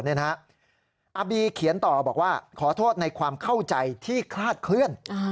อาบีเขียนต่อบอกว่าขอโทษในความเข้าใจที่คลาดเคลื่อน